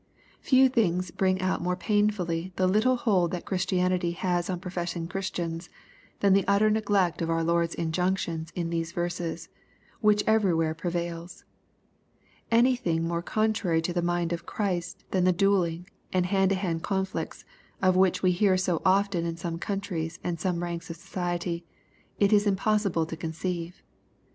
Few things bring out more painfully the little hold that Christi anity has on professing Christians, than the utter neglect of our Lord's injunctions in these verses, which everywhere prevailsL Any thing more contrary to the mind of Christ than the duelling, and hand to hand conflicts, of which we hear so often in some countries and some ranks of society, it is impossible to conceive.